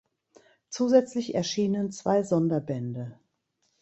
Zusätzlich erschienen zwei Sonderbände.